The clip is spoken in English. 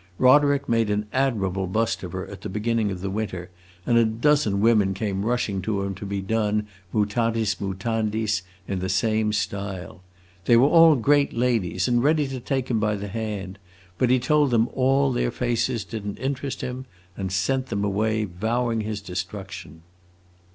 Roderick made an admirable bust of her at the beginning of the winter, and a dozen women came rushing to him to be done, mutatis mutandis, in the same style. They were all great ladies and ready to take him by the hand, but he told them all their faces did n't interest him, and sent them away vowing his destruction."